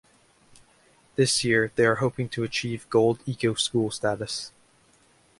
This year they are hoping to achieve Gold Eco-School status.